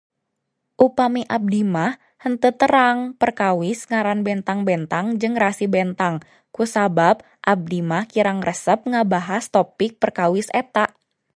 Upami abdi mah henteu terang perkawis ngaran bentang-bentang jeung rasi bentang, kusabab abdi mah kirang resep ngabahas topik perkawis eta.